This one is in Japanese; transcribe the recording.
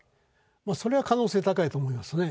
それは可能性高いと思いますね。